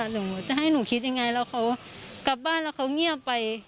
หนูจะให้หนูคิดยังไงแล้วเขากลับบ้านแล้วเขาเงียบไป